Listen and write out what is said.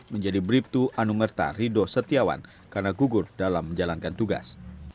menjadi bribtu anumerta rido setiawan karena gugur dalam menjalankan tugas